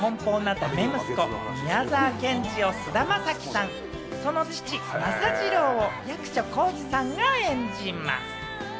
自由奔放なダメ息子・宮沢賢治を菅田将暉さん、その父・政次郎を役所広司さんが演じます。